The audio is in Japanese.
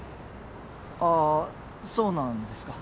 あそうなんですか。